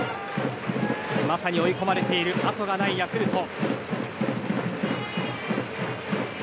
まさに追い込まれているあとがないヤクルト。